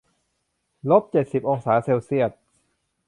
ลบเจ็ดสิบองศาเซลเซียส